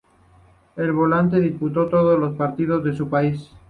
El volante disputó todos los partidos de su país.